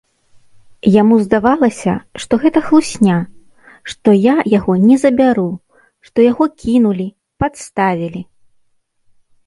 Яму здавалася, што гэта хлусня, што я яго не забяру, што яго кінулі, падставілі.